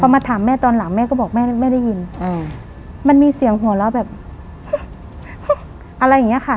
มาถามแม่ตอนหลังแม่ก็บอกแม่ไม่ได้ยินอืมมันมีเสียงหัวเราะแบบอะไรอย่างเงี้ยค่ะ